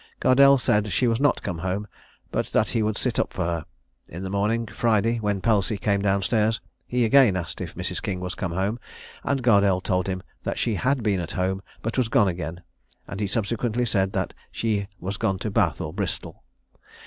Gardelle said she was not come home, but that he would sit up for her. In the morning, Friday, when Pelsey came down stairs, he again asked if Mrs. King was come home, and Gardelle told him that she had been at home, but was gone again; and he subsequently said that she was gone to Bath or Bristol.